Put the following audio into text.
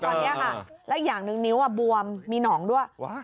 ตอนนี้ค่ะแล้วอีกอย่างหนึ่งนิ้วบวมมีหนองด้วย